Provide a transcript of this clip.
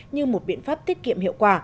như một biện pháp tiết kiệm hiệu quả